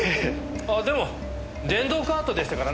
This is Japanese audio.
ああでも電動カートでしたからね。